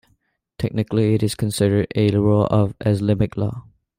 Technically, it is considered a rule of Islamic law.